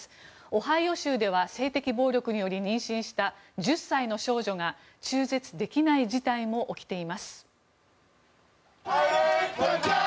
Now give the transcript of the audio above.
オハイオ州では性的暴力により妊娠した１０歳の少女が、中絶できない事態も起きています。